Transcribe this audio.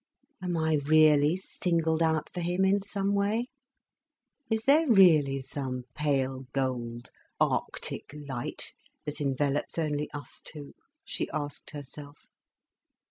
"Am I really singled out for him in some way, is there really some pale gold, arctic light that envelopes only us two?" she asked herself.